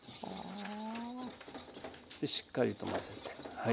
しっかりと混ぜてはい。